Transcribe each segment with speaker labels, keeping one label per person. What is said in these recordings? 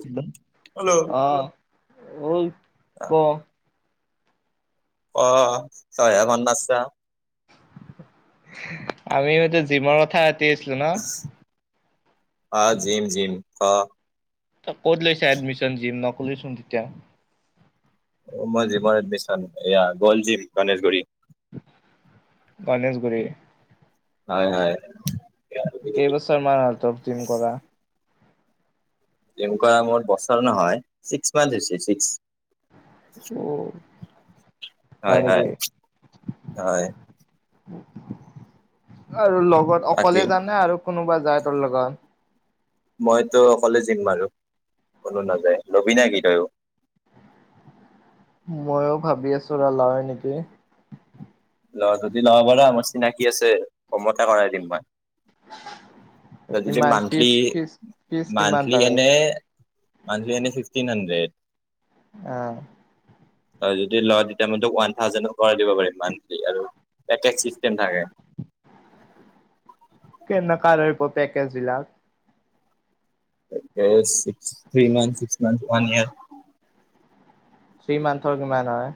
Speaker 1: Hello
Speaker 2: বোলো
Speaker 1: অহ ঐ ক।
Speaker 2: অ চাৰে এঘণ্টা আছে আৰু।
Speaker 1: আমি হয়টো জিমৰ কথাত।
Speaker 2: অহ জিম জিম ক।
Speaker 1: তই ক'ত লৈছে এডমিশন জিম নক'লেচোন তেতিয়া।
Speaker 2: অ মইজিমত এডমিছন ইয়া গলজীম গণেশগুৰি।
Speaker 1: গণেশগুৰি।
Speaker 2: হয় হয়।
Speaker 1: কেইবছৰ মান হ'ল তপজিম কৰা?
Speaker 2: তেনেকুৱা মোৰ বছৰ নহয় ছিক্স মান্থ হৈছে ছিক্স।
Speaker 1: উ।
Speaker 2: হয় হয় হয়।
Speaker 1: আৰু লগত
Speaker 2: বাকী
Speaker 1: অকলে জানে আৰু কোনোবা যায় তোৰ লগত।
Speaker 2: মইতো অকলে যিম মাৰো কোনো নাযায়। লবি না কি তইয়ো?
Speaker 1: ময়ো ভাবি আছোঁ লয় নেকি?
Speaker 2: ল যদি ল' ব পাৰা মোৰ চিনাকি আছে কমতে কৰাই দিম মই। তই যদি
Speaker 1: কিমান ফিজ
Speaker 2: মান্থলি
Speaker 1: ফিজ ফিজ কিমান
Speaker 2: মান্থলি
Speaker 1: তাৰে
Speaker 2: এনে মান্থলি এনে ফিফটিন হাড্ৰেড।
Speaker 1: অহ।
Speaker 2: তই যদি ল তেতিয়া মইতোক ওৱান থাউজেণ্ডও কৰাই দিব পাৰিম মান্থ আৰু এক এক চিচতেম থাকে।
Speaker 1: কে নেকা হয় পেকেজ বিলাক।
Speaker 2: পেকেট ষিষ্ঠীমান চিকচ মান ৱান ইয়েৰ।
Speaker 1: থ্ৰী মান্থৰ কিমান হয়?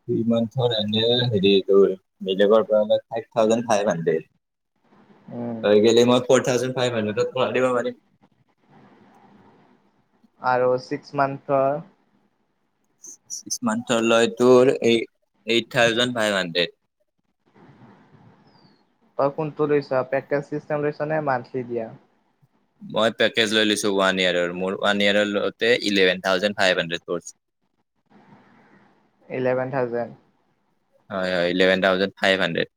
Speaker 2: থ্ৰী মান্থৰ এনে হেৰিতো বেলেগৰ পৰা হ'লে ফাইফ থাউজেড ফাইফ হনন্দেত।
Speaker 1: [unintelligible]
Speaker 2: হয় গেলে মৰ ফৰ্ট থাউজেড ফাইভ হাড্ৰেতত কৰাই দিব পাৰিম।
Speaker 1: আৰু ছিক্স মান্থৰ
Speaker 2: ছিক্স মান্থৰ লয়টোৰ এই এইট থাউজেণ্ড ফাইভ হাণ্ড্ৰেড
Speaker 1: তই কোনটো লৈছা পেকেত চিচতেম লৈছা নে মান্থলি দিয়া।
Speaker 2: মই পেকেজ লৈ লৈছো ৱানইয়াৰৰ মোৰ ৱানইযাৰলওতে ইলেভেনথাউজেন ফাইফ হান্ডেত পৰিছে।
Speaker 1: ইলেভেন থাউজেণ্ড
Speaker 2: হয় হয় ইলেভেন থাউজেড ফাইভ হানদেত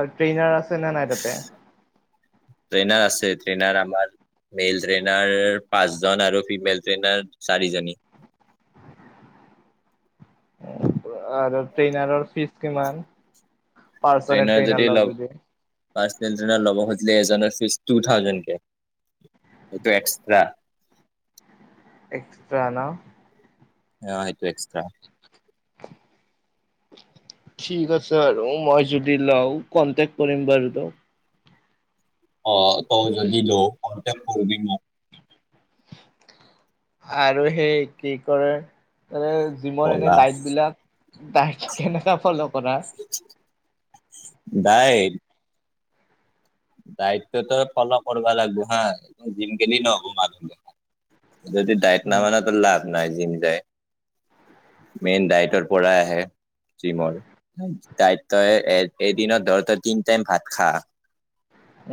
Speaker 1: অ ট্ৰেইনাৰ আছেনে নাই তাতে
Speaker 2: ট্ৰেইনাৰ আছে ট্ৰেইনাৰ আমাৰ মেইল ট্ৰেইনাৰ পাঁচজন আৰু ফিমেল ট্ৰেইনাৰ চাৰিজনী।
Speaker 1: [unintelligible] আৰু ট্ৰেইনাৰৰ ফিজ কিমান পৰ্ষণেল ট্ৰেনৰ লগ লৈ
Speaker 2: পাৰচনেল ট্ৰেইনাৰত ল'ব খুজিলে এজনৰ ফিজ টু থাউজেণ্ডকে এইটো এক্সট্ৰা
Speaker 1: এক্সট্ৰা ন
Speaker 2: আহ সেইটো এক্সট্ৰা
Speaker 1: ঠিক আছে আৰু মই যদি লওঁ কনটেক্ট কৰিম বাৰু দক
Speaker 2: অ তই যদি ল কণ্টেকট কৰবি মোক
Speaker 1: আৰু সেই কি কৰে জিমৰ এনে
Speaker 2: বলা
Speaker 1: ডাইট বিলাক তাই কেনেুৱা ফলো কৰা।
Speaker 2: দাইত দায়িত্বটো ফল' কৰিবা লাগিব হা জিম কিনি নবো মানুহ দে যদি দায়ট
Speaker 1: উম,
Speaker 2: নমানটো লাভ নাই জিম যায়। মেইন ডাইটৰ পৰা আহে। জিমৰ তাই তই এ এদিনত ধৰ তই তিন টাইম ভাত খা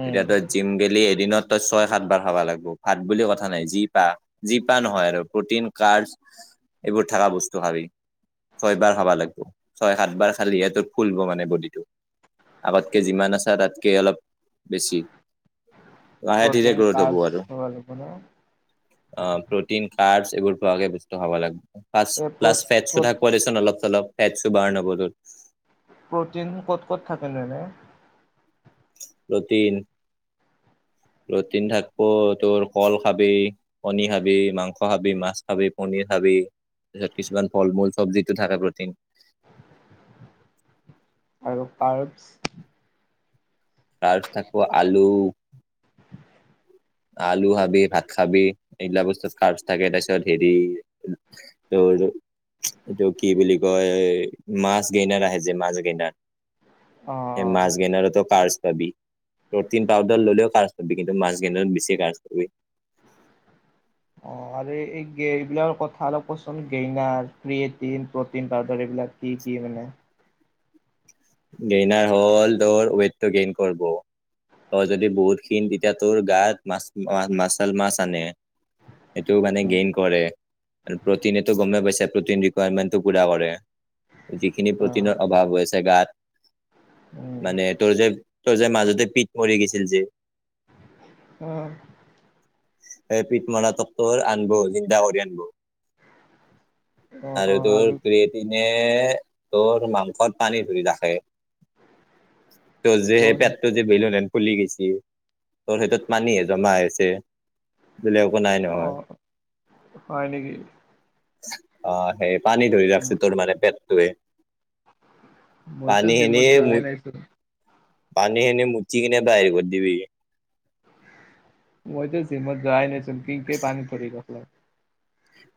Speaker 1: উম।
Speaker 2: তেতিয়াতো জিম গেলি এদিনত ছয় সাত বাৰ খাব লাগিব ভাত বুলি কথা নাই যি পা যি পা নহয় আৰু প্ৰটিন কাৰ এইবোৰ থাককা বস্তু ভাবি ছয় বাৰ খাবা লাগিব ছয় সাত বাৰ খালিহে তোৰ ফুলব মানে বডিটো আগতকে যিমান আছা তাতকে অলপ বেছি লাহে ধিৰে
Speaker 1: প্ৰটিন
Speaker 2: গ্ৰথ হ'ব
Speaker 1: কাৰ্বছ
Speaker 2: আৰু
Speaker 1: খাব লাগিব ন?
Speaker 2: অ প্ৰটিন এইবোৰ খোৱাকে বস্তু খাব লাগে
Speaker 1: এই প্ৰ
Speaker 2: প্লছ ফেট
Speaker 1: প্ৰ
Speaker 2: থাক পোৱা দেচোন অলপ চলপ সতছো বাৰ নবলল [unintelligible]
Speaker 1: প্ৰটিন ক'ত ক'ত থাকে এনে।
Speaker 2: প্ৰটিন
Speaker 1: [inaudible]
Speaker 2: প্ৰটিন থাকিব তোৰ কল খাবি কণী খাবি মাংস খাবি মাছ খাবি পনিৰ খাবি। তাৰপছত কিছুমান ফল মূল চব্জিতটো থাকে প্ৰটিন।
Speaker 1: আৰু পাৰ্বছ
Speaker 2: তাৰপিছত থাকো আলু আলু খাবি ভাত খাবি এইগিলা বস্তু খাৰ থাকে তাৰপিছত হেৰি ত
Speaker 1: [inaudible]
Speaker 2: এইটো কি বুলি কয় মাছ গেইদাৰ আহে যে মাছ গেইনাৰ এই
Speaker 1: অ', অ'।
Speaker 2: মাছ গেনাৰোটো কাৰ পাবি প্ৰটিন পাউডাৰ ললেও কাবছ পাববি কিন্তু মাছ গ [unintelligible]
Speaker 1: অ আৰু এই এইবিলৰ কথা অলপ কচোন গেইনাৰ ক্ৰেট প্ৰ পাউাৰ এইবিলাক কি? মানে
Speaker 2: গেইনাৰ হ'ল ধৰ ৱেইটটো গেইন কৰব তই যদি বহুত ক্ষীণ তেতিয়া তোৰ গাত মাচুল মাছ আনে [unintelligible] সেইটো মানে গেইন কৰে প্ৰটিনেতো গমেই পাইছোই প্ৰটিন ৰিকায়াৰমেণ্টটো পূৰা কৰে [unintelligible] যিখিনি
Speaker 1: অ
Speaker 2: প্ৰটিনৰ অভাৱ আছে গাত
Speaker 1: উম
Speaker 2: মানে তোৰ যে তোৰ যে মাজতে পিঠ মৰি গৈছিল যে
Speaker 1: আহ
Speaker 2: পিট মৰা তক্বৰ আনিব জিন্দা কৰি আনিব [unintelligible]
Speaker 1: অ
Speaker 2: তাৰ
Speaker 1: অ আৰু
Speaker 2: ত প্ৰতি এ তোৰ মাংসত পানী ধৰি থাকে ত যে সেই পেটটো যে ভিলো ন খুলি গৈচি তোৰ সেইটোত পানীহে জমা আছে [unintelligible] বলে একো নাই
Speaker 1: অ
Speaker 2: নহয়।
Speaker 1: হয় নেকি
Speaker 2: অ সেই পানী ধৰি ৰাখছে তোৰ মানে পেটটো
Speaker 1: মইতো জিমত
Speaker 2: পানীখিনিয়ে
Speaker 1: যোৱাই নাইচোন
Speaker 2: পানী এনে মুচি কিনে বাহিৰ কৰি দিবি [unintelligible]
Speaker 1: মইটো জিমত যোৱাই নাই [unintelligible] পানী ধৰিব [unintelligible]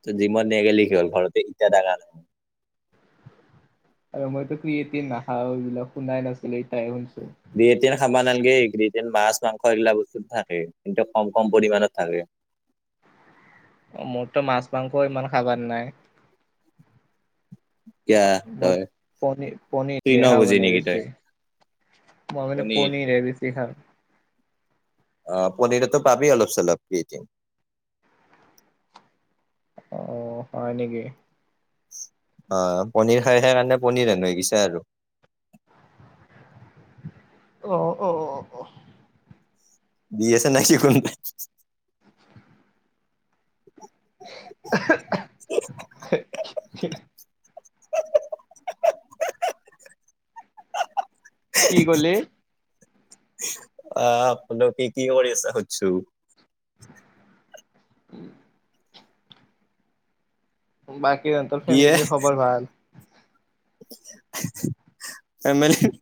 Speaker 2: ত‌ই জিমত নেগেলি কি হল ঘৰতে হিকা থাকা [unintelligible]
Speaker 1: আৰু মইতো ক্ৰিয়েটভ নহয় এইবিলাক শুনাই নাছিলো ইটাই শুনছো [unintelligible]
Speaker 2: বিয়েৰ-চিয়েৰ খাব নালাগে মাছ-মাংস এইগিলা বস্তুত থাকে কিন্তু কম-কম পৰিমানত খাবি [unintelligible]
Speaker 1: মোৰতো মাছ-মাংস ইমান খাবান নাই
Speaker 2: এতিয়া
Speaker 1: [unintelligible]
Speaker 2: তই
Speaker 1: [unintelligible] পনীৰ-পনীৰ
Speaker 2: তৃণ
Speaker 1: ৰেহা
Speaker 2: ভোজি
Speaker 1: মানে
Speaker 2: নেকি তই
Speaker 1: বেছি [inaudible] ম‌ই মানে পনীৰ হে বেছি খাই [unintelligible]
Speaker 2: অ পনীৰতো পাবি অলপ-চলপ [unintelligible]
Speaker 1: অ হয় নেকি? [unintelligible]
Speaker 2: অ পনিৰ খাই সেইকাৰণে পনিৰ হেন হৈ গৈছা আৰু [unintelligible]
Speaker 1: অ-অ-অ [unintelligible]
Speaker 2: দি আছে নাই শিকোন [unintelligible] [inaudible]
Speaker 1: [unintelligible] [inaudible] কি কলি
Speaker 2: আহ আপোনালোকে কি কৰি আছা সুধিছোঁ [unintelligible]
Speaker 1: [inaudible] বাকী তহঁতৰ ফেমিলৰ খবৰ ভাল? [unintelligible]
Speaker 2: [unintelligible] ফেমেলিৰ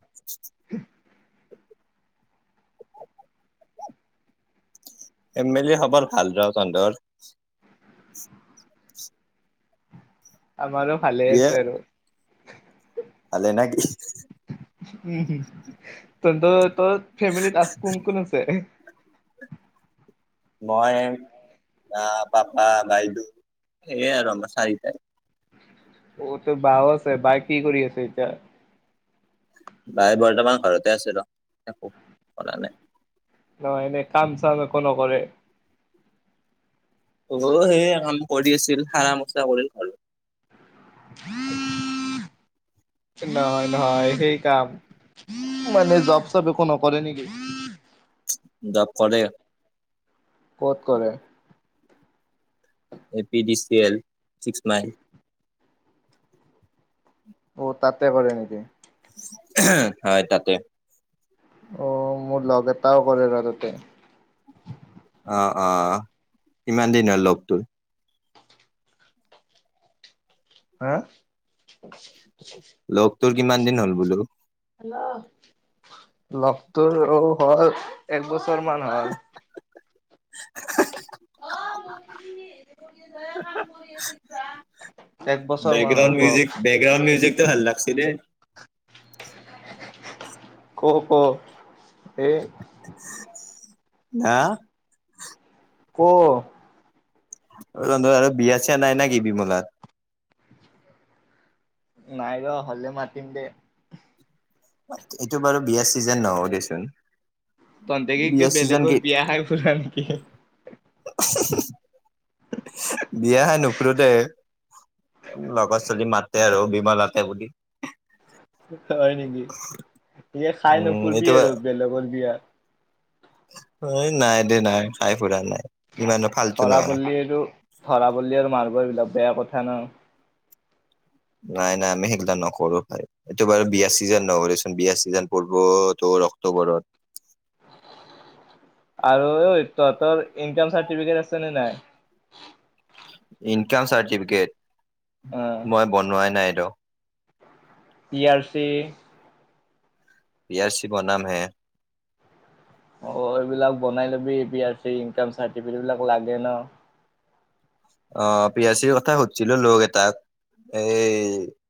Speaker 2: ফেমেলিৰ খবৰ ভাল দে তহঁতৰ? [unintelligible]
Speaker 1: আমাৰো ভালে
Speaker 2: দিয়ে
Speaker 1: আছে আৰু
Speaker 2: ভালে নেকি? [unintelligible]
Speaker 1: উম তহঁতৰ ফেমিলত আছ কোন-কোন আছে? [unintelligible]
Speaker 2: মই [unintelligible] আহ পাপা, বাইদেউ এইয়াই আৰু আমাৰ চাৰিটাই [unintelligible]
Speaker 1: অ তোৰ বাও আছে বাই কি কৰি আছে এতিয়া? [unintelligible]
Speaker 2: বাই বৰ্তমান ঘৰতে আছে ৰ একো কৰা নাই [unintelligible]
Speaker 1: অহ এনেই কাম-চাম একো নকৰে? [unintelligible]
Speaker 2: অ সেই কাম কৰি আছিল হাৰা-মচা কৰিল ঘ [unintelligible]
Speaker 1: উম [unintelligible] নহয়-নহয় সেই কাম মানে জব-চব একো নকৰে নেকি?
Speaker 2: জব কৰে [unintelligible]
Speaker 1: ক'ত কৰে? [unintelligible]
Speaker 2: এ P D C L six mile [unintelligible]
Speaker 1: অ তাতে কৰে নেকি? [unintelligible]
Speaker 2: হয় তাতে
Speaker 1: অ মোৰ লগ এটাও কৰে ৰ তাতে
Speaker 2: অ-অ কিমান দিনৰ লগ তোৰ?
Speaker 1: হা
Speaker 2: লগ তোৰ কিমান দিন হ'ল বোলো?
Speaker 1: লগটোৰ হ'ল এক বছৰ মান হ'ল।
Speaker 2: [unintelligible]
Speaker 1: অ মই কৰি কাম কৰি আছে কিবা
Speaker 2: বেকগ্ৰাউণ্ড মিউজিক, বেকগ্ৰাউণ্ড মিউজিকটো ভাল লাগছে দেই।
Speaker 1: ক-ক এই
Speaker 2: আহ!
Speaker 1: ক
Speaker 2: তহঁতৰ আৰু বিয়া-চিয়া নাই নে কি বিমলাত
Speaker 1: নাই ৰ হলে মাতিম দে
Speaker 2: এইটো বাৰু বিয়া চিজন নহওঁ দেচোন
Speaker 1: তহতে কি কি
Speaker 2: বিয়া চিজন
Speaker 1: বেলেগৰ
Speaker 2: কেট
Speaker 1: বিয়া খাই ফুৰা নেকি
Speaker 2: বিয়াহে নুখুৰো দে লগৰ ছোৱালী মাতে আৰু বিমলাতে বুলি
Speaker 1: হয় নিকি ইয়া খাই
Speaker 2: উম
Speaker 1: নুফুৰবি আৰু বেলেগৰ বিয়া
Speaker 2: অ নাই দে নাই খাই ফুৰা নাই ইমানো ফাল্টু
Speaker 1: ধৰা
Speaker 2: নহয়
Speaker 1: পল্লী আৰু ধৰা পল্লী আৰু মাৰ্ব এবিলাক বেয়া কথা ন
Speaker 2: নাই নাই আমি সেইগিলা নকৰো ভাই এইটো বাৰু বিয়া ছিজন নহয় দে চোন বিয়া ছিজন পৰিব তোৰ অক্টোবৰত
Speaker 1: [unintelligible] আৰু ঐ তহঁতৰ ইনকাম চাৰ্টিফিকেট আছে নে নাই
Speaker 2: ইনকাম চাৰ্টিফিকেট
Speaker 1: অ
Speaker 2: মই বনোৱাই নাইত
Speaker 1: P R C
Speaker 2: P R C বনাম হে
Speaker 1: অ এইবিলাক বনাই লবি P R C, income certificate এই বিলাক লাগে ন।
Speaker 2: অ পি আ চিৰ কথা সুধিছিলো লোক এটাক এ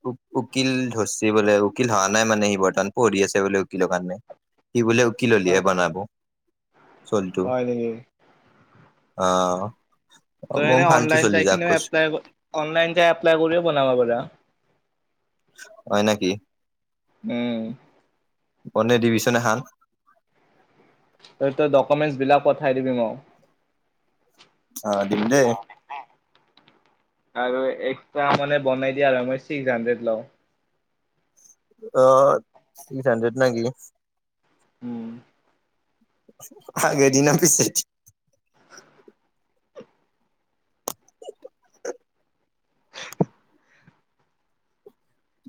Speaker 2: উ উকিল ধৰচি বোলে উকিল হহা নাই মানে সি বৰ্তমান পঢ়ি আছে বোলে উকিল কাৰণে সি বোলে উকিল
Speaker 1: অ
Speaker 2: হলহে বনাব চলটো
Speaker 1: হয় নিকি
Speaker 2: অ মম ফাল
Speaker 1: অনলাইন চাইকিনেও এপ্লাই ক অনলাইন চাই এপ্লাই কৰিও বনাব পাৰা
Speaker 2: হয় নাকি
Speaker 1: উম
Speaker 2: বনে ডিভিচু এহান
Speaker 1: তই তই ডকুমেন্টচ বিলাক পঠাই দিবি মোক
Speaker 2: অ দিম দেই
Speaker 1: আৰু এক্সা মানে বনাই দিয়া মই ছিক্স হানড্ৰেড লওঁ
Speaker 2: অ ছিক্স হণ্ড্ৰেড নে কি
Speaker 1: উম
Speaker 2: আগে দি নে পিছে দি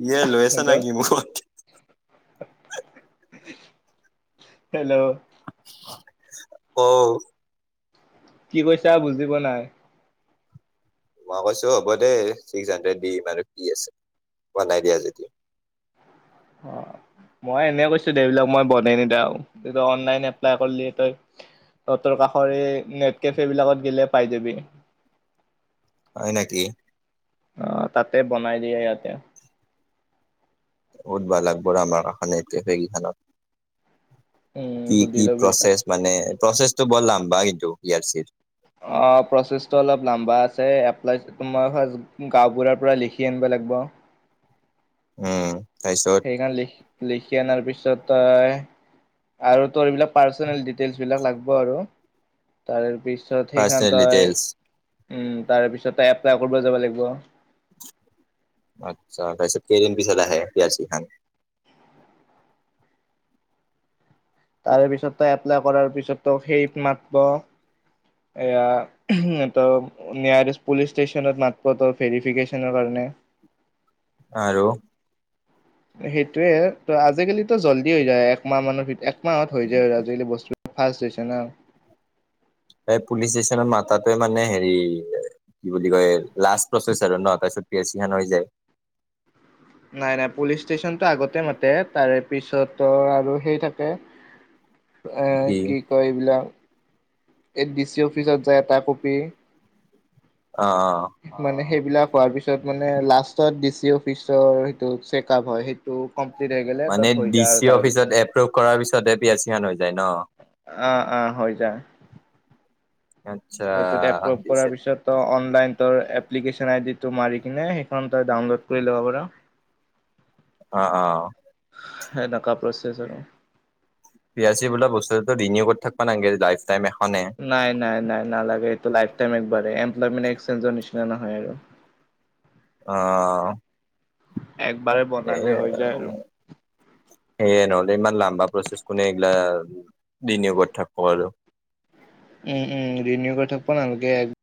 Speaker 2: ইয়ে লৈছা নে
Speaker 1: হেল্ল'
Speaker 2: কি মুখত
Speaker 1: হেল্ল'
Speaker 2: অ
Speaker 1: কি কৈছা বুজি পোৱা নাই
Speaker 2: মই কৈছো হ'ব দেই ছিক্স হাণ্ড্ৰেড দিম আৰু কি আছে বনাই দিয়া যদি
Speaker 1: অ মই এনে কৈছো দেবিলাক মই বনাই নিদাও অনলাইন এপ্লাই কৰিলি তই ততৰ কাষৰ এই নেট কেফে বিলাকত গিলে পাই যাবি
Speaker 2: হয় নেকি
Speaker 1: অহ তাতে বনাই দিয়ে সিহঁতে
Speaker 2: সুধবা লাগব ৰ আমাৰ কাখনে সেই কেফে কেইখনত
Speaker 1: উম
Speaker 2: কি
Speaker 1: সুধি
Speaker 2: কি
Speaker 1: লবি তাত
Speaker 2: প্ৰচেছ মানে প্ৰচেছটো ব লাম্বা কিন্তু পি আৰ চিৰ
Speaker 1: অ প্ৰচেছটো অলপ লম্বা আছে এপ্লাইটো তোমাৰ হয় গাঁওবুঢ়াৰ পৰা লিখি আনিব লাগ লাগব
Speaker 2: উম তাৰপিছত
Speaker 1: সেইখন লিখি লিখি অনাৰ পিছত ত‌ই আৰু তোৰ এইবিলাক পাৰ্চনেল ডিটেইলছ বিলাক লাগব আৰু তাৰ পিছত পছত সেইখন
Speaker 2: পাৰ্চনেল
Speaker 1: তই
Speaker 2: ডিটেইলছ
Speaker 1: উম তাৰপিছত তই এপ্লাই কৰিব যাব লাগিব
Speaker 2: আত্ছা তছ কেই দিন পিছত কেইদিন পাছত আহে পি আৰ চি খন
Speaker 1: [unintelligible] তাৰ পিছত তই এপ্লাই কৰাৰ পিছত তোক সেইত মাতব এয়া নিয়াৰেষ্ট পুলিচ ষ্টেচনত মাতব তো ভেৰিফিকেশ্যনৰ কাৰণে। [inaudible]
Speaker 2: আৰু
Speaker 1: সেইটোয়ে ত আজিকালিতো জল্দি হৈ যায় একমাহ মানৰ ভিতৰত একমাহত হৈ যায় আৰু আজিকালি বস্তু ফষ্ট দিছ না
Speaker 2: এই পুলিচ ষ্টেচনত মাতাতোৱে মানে হেৰি এ কি বুলি কয় লাষ্ট প্ৰচেছ আৰু ন এ পি আৰ চি খন হৈ যায়।
Speaker 1: [inaudible] নাই নাই পুলিচ ষ্টেচনটো আগতে মাতে তাৰে পিছত আৰু সেই থাকে উ এ
Speaker 2: সি
Speaker 1: কি কয় এইবিলাক এই ডি চি অফিচত যায় এটা কপি
Speaker 2: অ অ
Speaker 1: মানে সেইবিলাক হোৱাৰ পিছত মানে লাষ্টত ডি চি অফিচৰ সেইটো চেকআপ হয় সেইটো কমপ্লিট হৈ গ'লে
Speaker 2: মানে
Speaker 1: তাত হৈ
Speaker 2: ডি
Speaker 1: যায় আৰু
Speaker 2: চি
Speaker 1: তাৰপিছত।
Speaker 2: অফিচত এপ্ৰুভ কৰাৰ পিছত এ পি আৰ ছি খন হয়
Speaker 1: অ অ হৈ যায়।
Speaker 2: আচ্ছা
Speaker 1: সেইটোত এপ্ৰুভ
Speaker 2: দিছে
Speaker 1: কৰাৰ পিছত ত অনলাইন ত এপ্লিকেচন আই ডি টো মাৰি কিনে ফ তই ডাউনলোড কৰি ল'ব পাৰো
Speaker 2: অ অ
Speaker 1: তাছ
Speaker 2: পি আৰ চি বোল বস্তুটো ৰি নিয়োগত থাকব নালগে দাইচ
Speaker 1: নাই নাই নাই নালাগে এইটো লাইফটাইম এনকোৱাৰে এম্পলয়মেণ্ট এক্সচেঞ্জ নি নে নহয় আৰু
Speaker 2: অ
Speaker 1: একবাৰে
Speaker 2: এ
Speaker 1: বনালে হৈ যায় আৰু।
Speaker 2: সেয়ে নহ'লে ইমান লাম্বা প্ৰচেছ কোনে বিনিয়োগত থাকো আৰু
Speaker 1: উম উম ৰিনিও কৰি থাকিব নালাগে